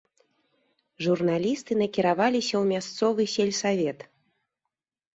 Журналісты накіраваліся ў мясцовы сельсавет.